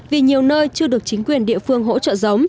vì nhiều nơi chưa được chính quyền địa phương hỗ trợ giống